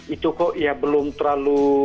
itu kok ya belum terlalu